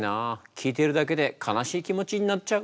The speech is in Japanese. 聞いているだけで悲しい気持ちになっちゃう。